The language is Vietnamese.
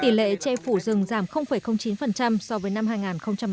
tỷ lệ che phủ rừng giảm chín so với năm hai nghìn một mươi tám